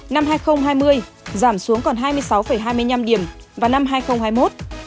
năm hai nghìn hai mươi giảm xuống còn hai mươi sáu hai mươi năm điểm vào năm hai nghìn hai mươi một